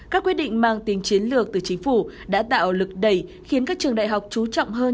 các quyết định mang tính chiến lược từ chính phủ đã tạo lực đẩy khiến các trường đại học trú trọng hơn